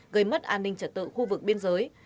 gây mất an ninh trật tự khu vực biên giới